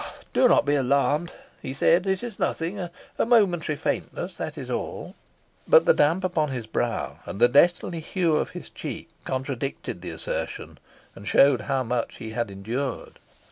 "Do not be alarmed," he said; "it is nothing a momentary faintness that is all." But the damp upon his brow, and the deathly hue of his cheek, contradicted the assertion, and showed how much he had endured.